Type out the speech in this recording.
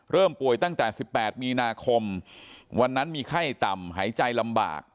ป่วยตั้งแต่๑๘มีนาคมวันนั้นมีไข้ต่ำหายใจลำบาก